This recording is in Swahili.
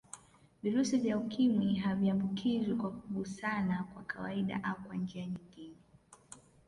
Virusi vya Ukimwi haviambukizwi kwa kugusana kwa kawaida au kwa njia nyingine